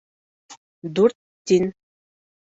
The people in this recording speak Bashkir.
Дүрт тин